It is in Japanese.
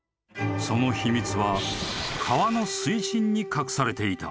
［その秘密は川の水深に隠されていた］